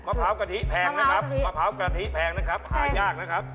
มะพร้าวกะทิแพงนะคะหายากนะครับ